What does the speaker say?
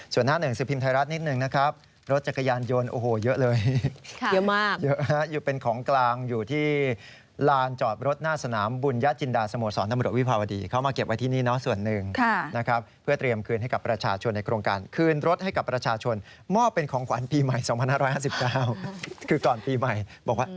ส่วนหน้าหนึ่งสภิมธ์ไทยรัฐนิดหนึ่งนะครับ